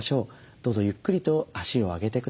どうぞゆっくりと足を上げてください。